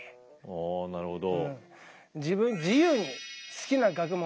あなるほど。